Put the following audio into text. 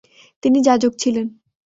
তিনি যাজক ছিলেন।